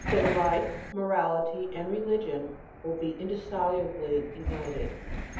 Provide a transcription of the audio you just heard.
Then life, morality and religion will be indissolubly united.